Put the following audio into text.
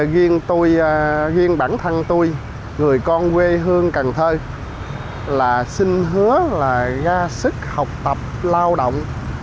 ghiêng bản thân tôi người con quê hương cần thơ là xin hứa là ra sức học tập lao động